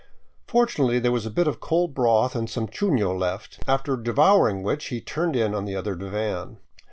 Fortunately there was a bit of cold broth and some chuno left, after devouring which he turned in on the other divan.